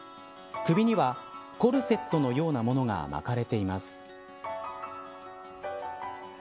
首には、コルセットのようなものが巻かれています。